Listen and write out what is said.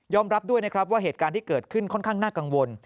รับด้วยนะครับว่าเหตุการณ์ที่เกิดขึ้นค่อนข้างน่ากังวล